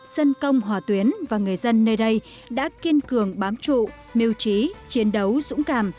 dân công hòa tuyến và người dân nơi đây đã kiên cường bám trụ mưu trí chiến đấu dũng cảm